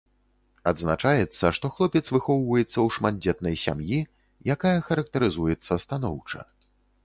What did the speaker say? Адзначаецца, што хлопец выхоўваецца ў шматдзетнай сям'і, якая характарызуецца станоўча.